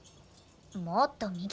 もっと右。